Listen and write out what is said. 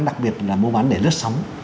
đặc biệt là mua bán để lướt sóng